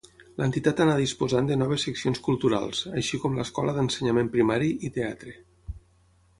L'entitat anà disposant de noves seccions culturals, així com l'escola d'ensenyament primari, i teatre.